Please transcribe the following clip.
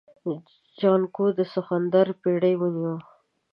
جانکو د سخوندر پړی ونيو.